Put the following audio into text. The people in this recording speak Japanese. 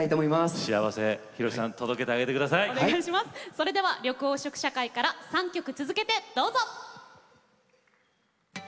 それでは緑黄色社会から３曲続けてどうぞ！